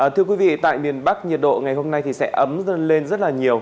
thưa quý vị tại miền bắc nhiệt độ ngày hôm nay sẽ ấm lên rất là nhiều